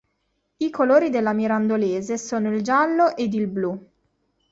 I colori della Mirandolese sono il giallo ed il blu.